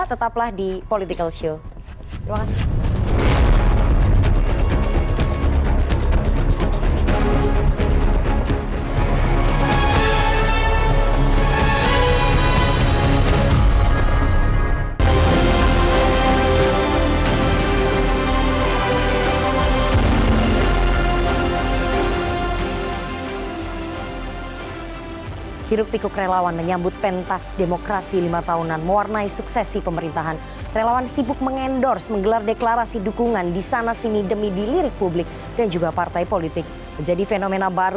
tetaplah di politikal show